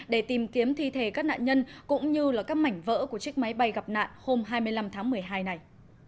để tìm kiếm thi thể các nạn nhân cũng như các mảnh vỡ của chiếc máy bay gặp nạn hôm hai mươi năm tháng một mươi hai này